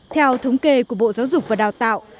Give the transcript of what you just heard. theo thống kê của bộ giáo dục và đào tạo